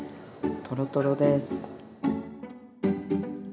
トロトロです。